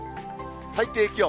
最低気温。